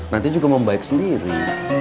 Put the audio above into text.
nanti juga membaik sendiri